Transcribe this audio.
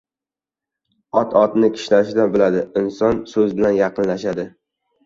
• Ot otni kishnashidan biladi, inson so‘z bilan yaqinlashadi.